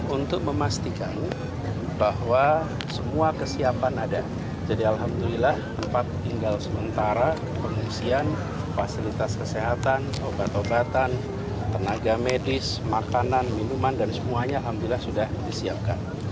untuk memastikan bahwa semua kesiapan ada jadi alhamdulillah tempat tinggal sementara pengungsian fasilitas kesehatan obat obatan tenaga medis makanan minuman dan semuanya alhamdulillah sudah disiapkan